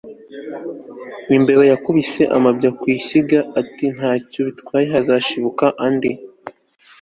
imbeba yakubise amabya ku ishyiga iti ntacyo bitwaye hazashibuka andi